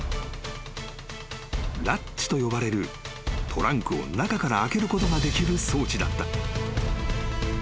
［ラッチと呼ばれるトランクを中から開けることができる装置だった］